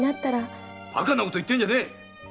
バカなこと言うんじゃねえ！